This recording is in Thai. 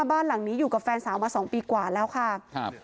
บ้านหลังนี้อยู่กับแฟนสาวมาสองปีกว่าแล้วค่ะครับ